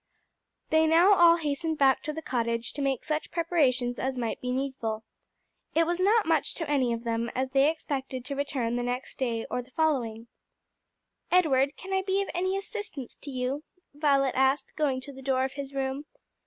They now all hastened back to the cottage to make such preparations as might be needful. It was not much to any of them, as they expected to return the next day or the one following. "Edward, can I be of any assistance to you?" Violet asked, going to the door of his room.